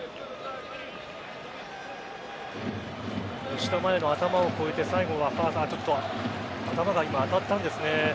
吉田麻也の頭を越えて最後は頭が当たったんですね。